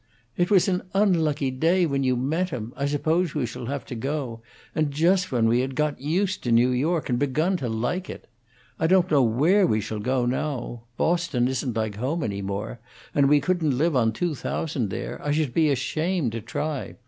"It was an unlucky day when you met him. I suppose we shall have to go. And just when we had got used to New York, and begun to like it. I don't know where we shall go now; Boston isn't like home any more; and we couldn't live on two thousand there; I should be ashamed to try.